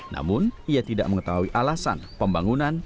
namun ia tidak mengetahui alasan pembangunan